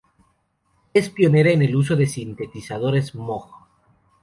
Es pionera en el uso de sintetizadores Moog.